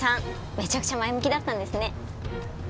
めちゃくちゃ前向きだったんですね。